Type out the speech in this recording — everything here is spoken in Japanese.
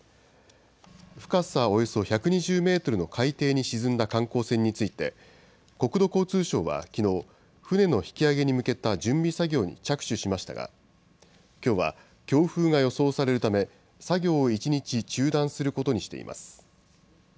深さおよそ１２０メートルの海底に沈んだ観光船について、国土交通省はきのう、船の引き揚げに向けた準備作業に着手しましたが、きょうは強風が予想されるため、作業を１日中断することにしています。